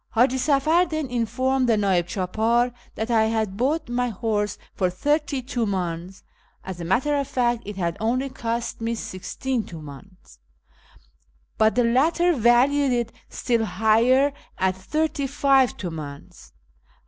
Haji Safar then informed the 'nd'ib clidpdr that I had bought my horse for thirty Mmdns (as a matter of fact it had only cost me sixteen Hmdns), but the latter valued it still higher, at thirty five Hmdns.